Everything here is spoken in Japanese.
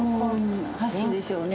ハスでしょうね。